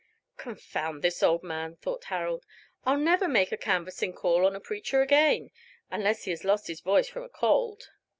"Confound this old man," thought Harold. "I'll never make a canvassing call on a preacher again, unless he has lost his voice from a cold."